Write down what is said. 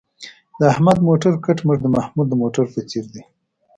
د احمد موټر کټ مټ د محمود د موټر په څېر دی.